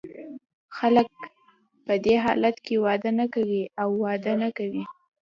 خلګ په دې حالت کې واده نه کوي او واده نه کوي.